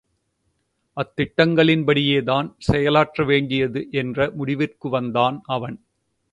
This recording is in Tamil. அத்திட்டங்களின் படியேதான் செயலாற்ற வேண்டியது என்ற முடிவிற்கு வந்தான் அவன்.